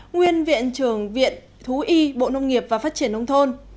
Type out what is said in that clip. nguyên viện trưởng viện thú y bộ nông nghiệp và phát triển nông thôn